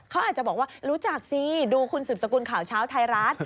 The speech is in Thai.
เขาอาจจะบอกว่ารู้จักสิดูคุณสืบสกุลข่าวเช้าไทยรัฐ